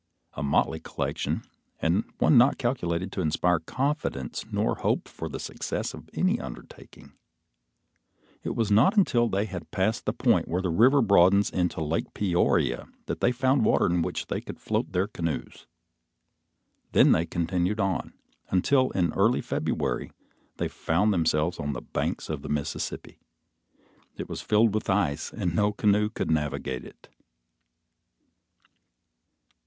A motley collection and one not calculated to inspire confidence nor hope for the success of any undertaking. It was not until they had passed the point where the river broadens into Lake Peoria that they found water in which they could float their canoes. Then they continued on, until early in February they found themselves on the banks of the Mississippi. It was filled with ice, and no canoe could navigate it.